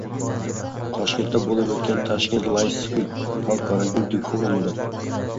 Toshkentda bo‘lib o‘tgan «Tashkent Law Spring» xalqaro yuridik forumida